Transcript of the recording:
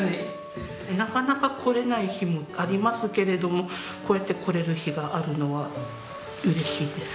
なかなか来れない日もありますけれどもこうやって来れる日があるのは嬉しいです。